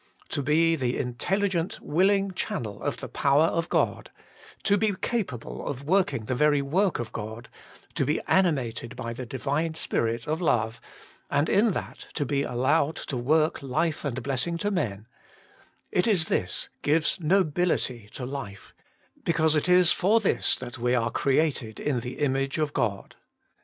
To be the intelligent willing channel of the power of God, to be capable of working the very work of God, to be animated by the Divine Spirit of love, and in that to be al lowed to work life and blessing to men ; it is this gives nobihty to life, because it is for this we are created in the image of God.